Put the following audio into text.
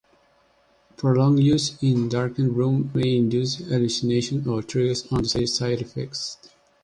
Prolonged use in a darkened room may induce hallucinations or trigger undesired side effects.